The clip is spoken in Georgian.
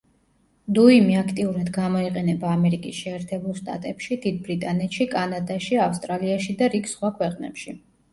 დუიმი აქტიურად გამოიყენება ამერიკის შეერთებულ შტატებში, დიდ ბრიტანეთში, კანადაში, ავსტრალიაში და რიგ სხვა ქვეყნებში.